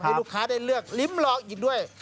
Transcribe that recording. ให้ลูกค้าได้เลือกลิ้มลองอีกด้วย